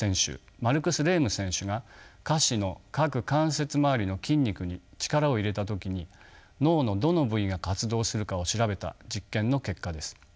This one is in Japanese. マルクス・レーム選手が下肢の各関節周りの筋肉に力を入れた時に脳のどの部位が活動するかを調べた実験の結果です。